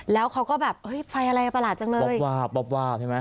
แล้วเขาก็แบบเฮ้ยไฟอะไรประหลาดจังเลยวับวาบวาบวาบใช่ไหม